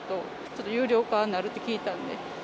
ちょっと有料化になるって聞いたんで。